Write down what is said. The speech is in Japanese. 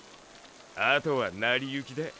あとは成り行きだ。